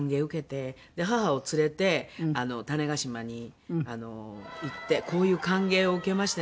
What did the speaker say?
で母を連れて種子島に行ってこういう歓迎を受けましてね。